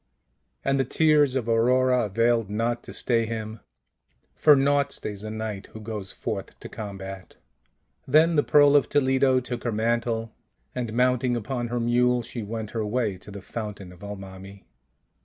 And the tears of Aurora availed not to stay him; for naught stays a knight who goes forth to combat. Then the Pearl of Toledo took her mantle, and mounting upon her mule she went her way to the fountain of Almami.